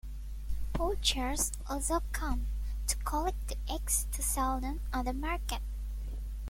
Poachers also come, to collect the eggs to sell them on the market.